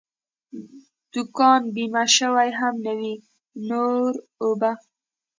دوکان بیمه شوی هم نه وي، نور اوبه.